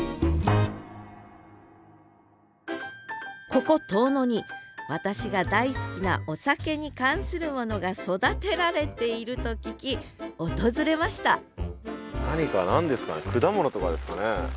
ここ遠野に私が大好きなお酒に関するものが育てられていると聞き訪れました何だ？